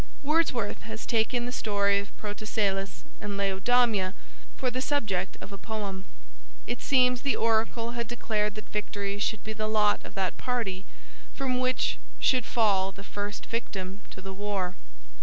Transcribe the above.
Wordsworth has taken the story of Protesilaus and Laodamia for the subject of a poem. It seems the oracle had declared that victory should be the lot of that party from which should fall the first victim to the war.